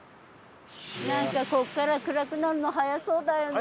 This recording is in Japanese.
なんかここから暗くなるの早そうだよね。